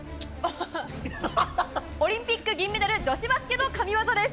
オリンピック銀メダル、女子バスケの神業です。